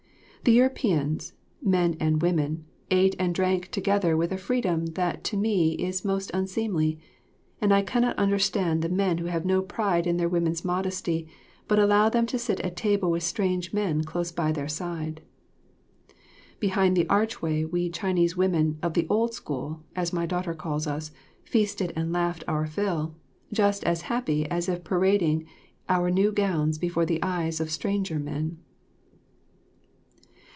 The Europeans, men and women, ate and drank together with a freedom that to me is most unseemly, and I cannot understand the men who have no pride in their women's modesty but allow them to sit at table with strange men close by their side. Behind the archway, we Chinese women "of the old school," as my daughter calls us, feasted and laughed our fill, just as happy as if parading our new gowns before the eyes of stranger men.